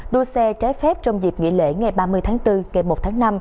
đua xe trái phép trong dịp nghỉ lễ ngày ba mươi tháng bốn ngày một tháng năm